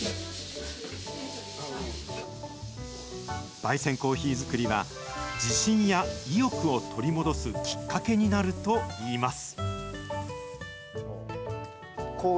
ばい煎コーヒー作りは、自信や意欲を取り戻すきっかけになるといいます。